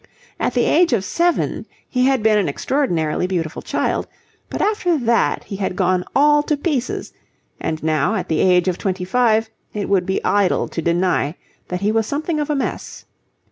At the age of seven he had been an extraordinarily beautiful child, but after that he had gone all to pieces; and now, at the age of twenty five, it would be idle to deny that he was something of a mess.